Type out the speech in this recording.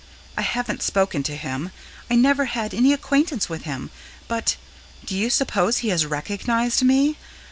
I haven't spoken to him. I never had any acquaintance with him, but do you suppose he has recognized me?